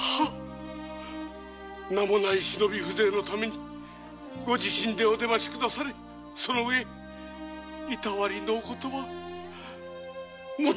名もない忍び風情のためにご自身でお出ましになりいたわりのお言葉まで。